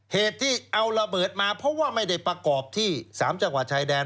เหตุที่เอาระเบิดมาเพราะว่าไม่ได้ประกอบที่๓จังหวัดชายแดน